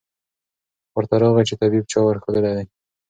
ورته راغی چي طبیب چا ورښودلی